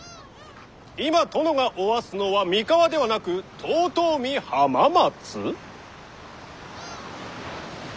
今殿がおわすのは三河ではなく遠江浜松。